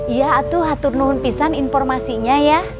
iya atuh atur nuhun pisan informasinya ya